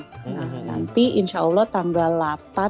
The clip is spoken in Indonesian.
nah nanti insya allah tanggal delapan